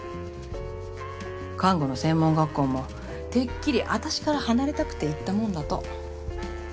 看護の専門学校もてっきり私から離れたくて行ったもんだと。